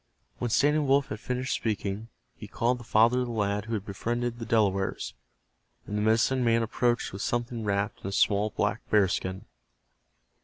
"When Standing Wolf had finished speaking he called the father of the lad who had befriended the Delawares, and the medicine man approached with something wrapped in a small black bearskin.